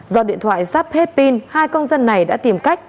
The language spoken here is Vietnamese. do điện thoại sắp hết pin hai công dân này đã tìm cách